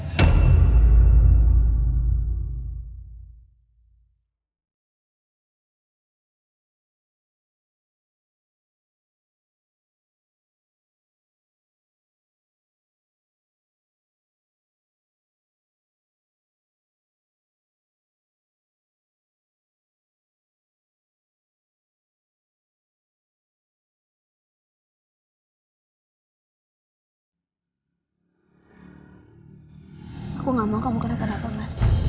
aku gak mau kamu kena kena kena